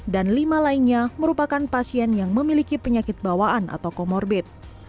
dan lima lainnya merupakan pasien yang memiliki penyakit bawaan atau comorbid